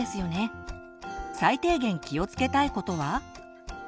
最低限気をつけたいことは？